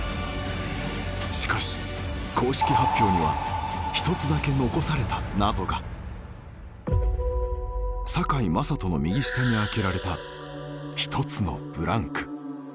しかし公式発表には一つだけ残された謎が堺雅人の右下に空けられた１つのブランク